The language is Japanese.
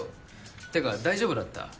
ってか大丈夫だった？